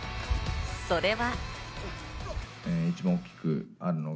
それは。